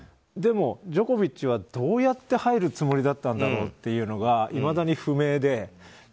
でもジョコビッチはどうやって入るつもりだったんだろうというのがいまだに不明で。